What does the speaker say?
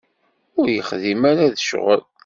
Ur t-yexdim ara d ccɣel.